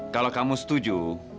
kalau kamu setuju